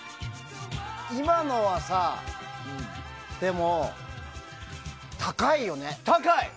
今のはさ、高いよね。